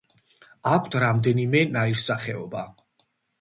აქვთ რამდენიმე ნაირსახეობა.